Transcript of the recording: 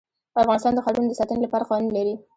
افغانستان د ښارونو د ساتنې لپاره قوانین لري.